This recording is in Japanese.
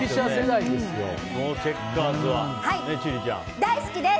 大好きです！